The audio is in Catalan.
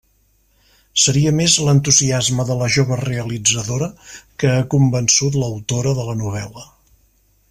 Seria més l'entusiasme de la jove realitzadora que ha convençut l'autora de la novel·la.